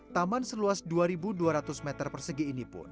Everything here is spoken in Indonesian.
taman seluas dua dua ratus meter persegi ini pun